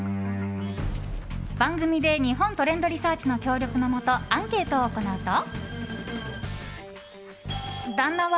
番組で日本トレンドリサーチの協力のもとアンケートを行うと。